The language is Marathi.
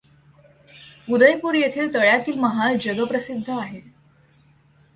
उदयपूर येथील तळ्यातील महाल जगप्रसिद्ध आहे.